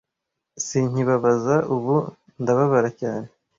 sinkibabaza ubu ndababara cyane